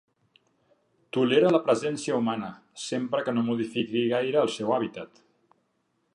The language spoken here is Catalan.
Tolera la presència humana, sempre que no modifiqui gaire el seu hàbitat.